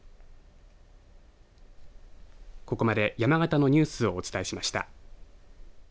ここまで、山形のニュースをお伝えしました。